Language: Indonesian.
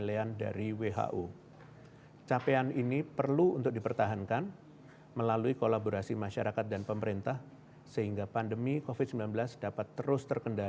yang wajib melakukan karantina